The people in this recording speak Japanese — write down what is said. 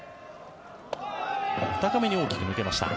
高めに大きく抜けました。